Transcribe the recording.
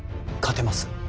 勝てます